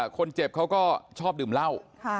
คนเจ็บเขาก็ชอบดื่มเหล้า